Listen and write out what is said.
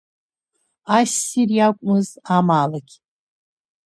Ассир иакәмыз, амаалықь!